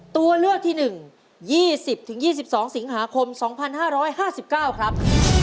ตัวเลือกที่๑๒๐๒๒สิงหาคม๒๕๕๙ครับ